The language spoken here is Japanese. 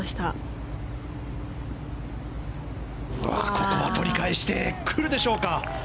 ここは取り返してくるでしょうか。